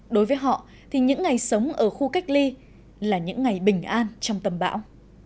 đối với họ thì những ngày sống ở khu cách ly là những ngày bình an trong tầm bão